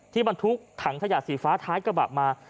ที่มันทุกขังขยะสีฟ้าท้ายกระบะมา